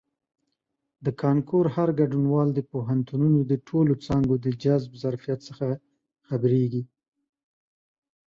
د کانکور هر ګډونوال د پوهنتونونو د ټولو څانګو د جذب ظرفیت څخه خبریږي.